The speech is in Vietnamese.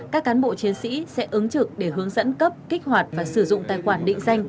các cán bộ chiến sĩ sẽ ứng trực để hướng dẫn cấp kích hoạt và sử dụng tài khoản định danh